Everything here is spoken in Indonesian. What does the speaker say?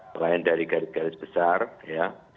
selain dari garis garis besar ya